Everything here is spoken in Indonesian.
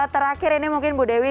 terakhir ini mungkin bu dewi